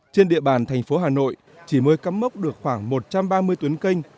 trên địa bàn thành phố hà nội chỉ mới cắm mốc được khoảng một trăm ba mươi tuyến kênh